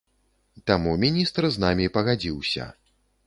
Таму міністр з намі пагадзіўся.